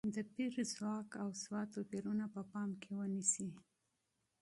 د پېر ځواک او سواد توپیرونه په پام کې ونیسي.